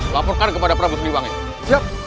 laporkan kepada prabu pembangunan